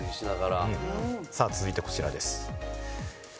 さあ、続いてこちらです。